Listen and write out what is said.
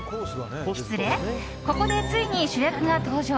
ここでついに主役が登場。